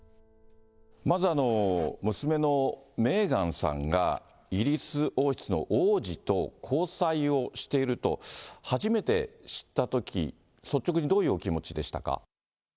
まず娘のメーガンさんが、イギリス王室の王子と交際をしていると初めて知ったとき、率直にどういうお気持ちでしたか？